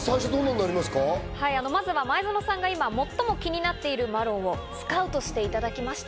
まずは前園さんが今、最も気になっているマロンをスカウトしていただきました。